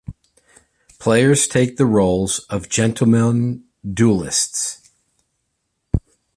Players take the roles of gentlemen duellists.